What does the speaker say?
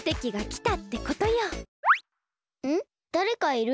だれかいる？